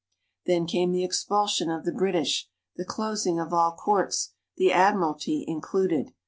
Then came the expulsion of the British, the closing of all courts, the Admiralty included.